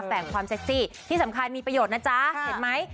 แบ่งความเซ็กซี่ที่สำคัญมีประโยชน์นะจ๊ะเห็นไหม